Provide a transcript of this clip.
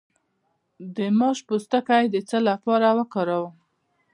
د ماش پوستکی د څه لپاره وکاروم؟